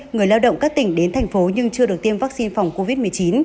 người lao động các tỉnh đến thành phố nhưng chưa được tiêm vaccine phòng covid một mươi chín